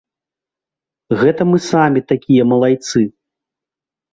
Гэта мы самі такія малайцы.